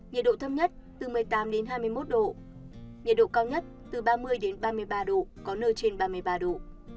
nhiệt độ thấp nhất từ một mươi tám hai mươi một độ nhiệt độ cao nhất từ ba mươi ba mươi ba độ có nơi trên ba mươi ba độ